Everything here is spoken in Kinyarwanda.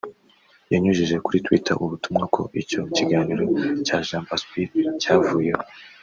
yanyujije kuri Twitter ubutumwa ko icyo kiganiro cya "Jambo asbl" cyavuyeho